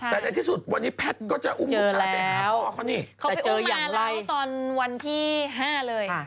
แบบนี้แพทย์ก็จะอุ้มเอกชาติดหาพ่อเขาไปอุ้มมาเล่าตอนวันที่๕เลย